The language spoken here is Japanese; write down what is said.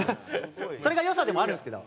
それが良さでもあるんですけど。